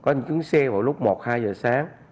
có những chuyến xe vào lúc một hai giờ sáng